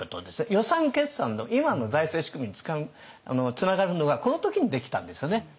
予算決算の今の財政仕組みにつながるのがこの時にできたんですよね。